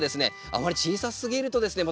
あまり小さすぎるとですね